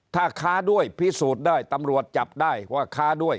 ถ้าค้าด้วยพิสูจน์ได้ตำรวจจับได้ว่าค้าด้วย